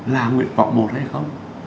là nguyện vọng một hay không